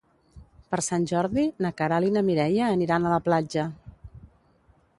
Per Sant Jordi na Queralt i na Mireia aniran a la platja.